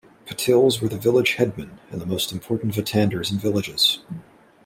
Patils were the village headmen and the most important vatandars in villages.